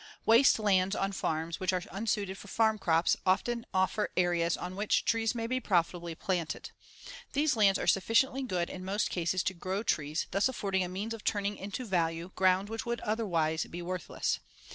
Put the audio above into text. Waste lands on farms which are unsuited for farm crops often offer areas on which trees may profitably be planted. These lands are sufficiently good in most cases to grow trees, thus affording a means of turning into value ground which would otherwise be worthless.